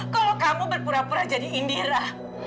kalau kamu berpura pura jadi indira